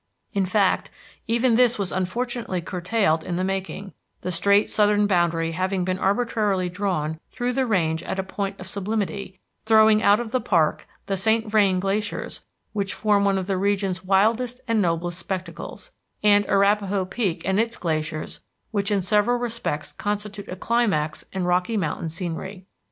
In fact, even this was unfortunately curtailed in the making, the straight southern boundary having been arbitrarily drawn through the range at a point of sublimity, throwing out of the park the St. Vrain Glaciers which form one of the region's wildest and noblest spectacles, and Arapaho Peak and its glaciers which in several respects constitute a climax in Rocky Mountain scenery.